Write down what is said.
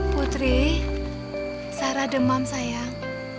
putri sarah demam sayang